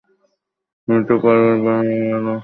তুমি তো পাদ্রির হাতে ওকে দিতে চেয়েছিলে।